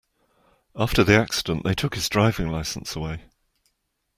After the accident, they took his driving license away.